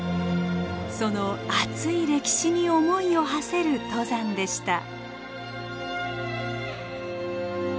その熱い歴史に思いをはせる登山でした。